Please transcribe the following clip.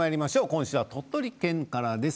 今週は鳥取県からです。